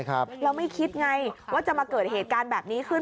เราไม่คิดไงว่าจะมาเกิดเหตุการณ์แบบนี้ขึ้น